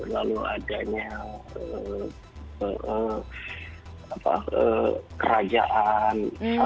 lalu adanya kerajaan